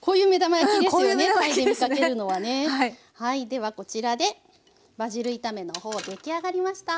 ではこちらでバジル炒めの方出来上がりました！